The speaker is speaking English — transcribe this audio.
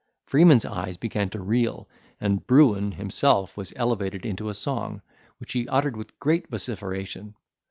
Freeman's eyes began to reel, and Bruin himself was elevated into a song, which he uttered with great vociferation.